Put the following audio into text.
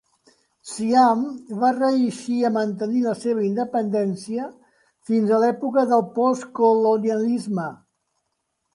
Siam va reeixir a mantenir la seva independència fins a l'època del postcolonialisme.